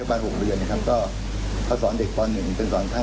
ยังไม่พร้อมพูดเปิดใจเนื่องจากเป็นครูใหม่และเป็นครูประจำชั้นของนักเรียนชั้นตอน๑